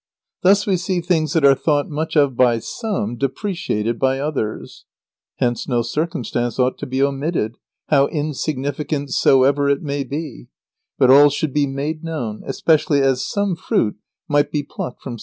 Thus we see things that are thought much of by some, depreciated by others. Hence no circumstance ought to be omitted, how insignificant soever it may be, but all should be made known, especially as some fruit might be plucked from such a tree.